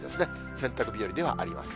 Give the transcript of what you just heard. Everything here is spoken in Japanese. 洗濯日和ではあります。